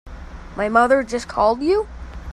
My mother just called you?